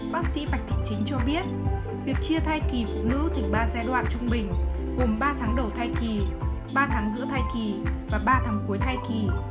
bác sĩ bạch thị chính cho biết việc chia thai kỳ phụ nữ thành ba giai đoạn trung bình gồm ba tháng đầu thai kỳ ba tháng giữa thai kỳ và ba tháng cuối thai kỳ